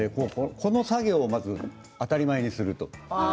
この作業を当たり前にする。